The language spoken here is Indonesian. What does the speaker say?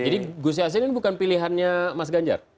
jadi gus yassin ini bukan pilihannya mas ganjar